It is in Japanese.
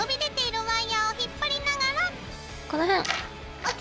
ＯＫ！